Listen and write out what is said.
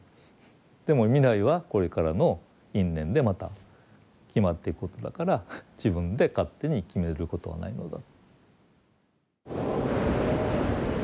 でも未来はこれからの因縁でまた決まっていくことだから自分で勝手に決めることはないのだ。